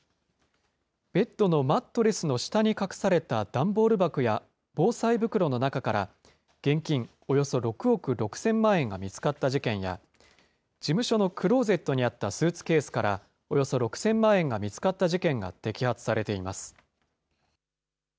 ベッドのマットレスの下に隠された段ボール箱や防災袋の中から、現金およそ６億６０００万円が見つかった事件や、事務所のクローゼットにあったスーツケースから、およそ６０００万円が見つかった事件が摘発されています。